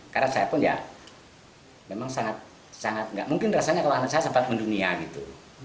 karena saya pun ya memang sangat nggak mungkin rasanya kalau anak saya sempat mendunia gitu